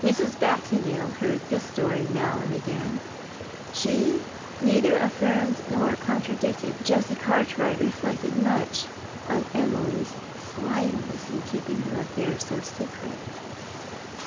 Mrs. Baxendale heard this story now and again; she neither affirmed nor contradicted. Jessie Cartwright reflected much on Emily's slyness in keeping her affairs so secret.